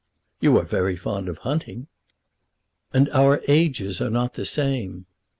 "You are very fond of hunting." "And our ages are not the same."